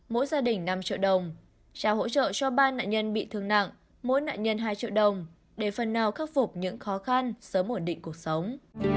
mỗi gia đình năm triệu đồng trao hỗ trợ cho ba nạn nhân bị thương nặng mỗi nạn nhân hai triệu đồng để phần nào khắc phục những khó khăn sớm ổn định cuộc sống